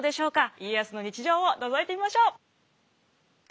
家康の日常をのぞいてみましょう。